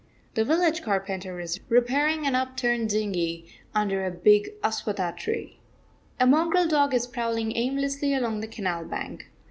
The village carpenter is repairing an upturned dinghy under a big aswatha tree. A mongrel dog is prowling aimlessly along the canal bank.